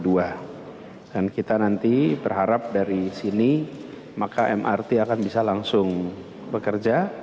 dan kita nanti berharap dari sini maka mrt akan bisa langsung bekerja